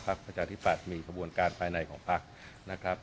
ภักราชอธิปัตย์มีกระบวนการภายในของภักร์นะครับ